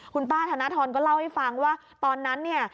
คุณป้าธนทรก็เล่าให้ฟังว่าตอนนั้นเนี่ย